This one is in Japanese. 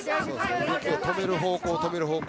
動きを止める方向、止める方向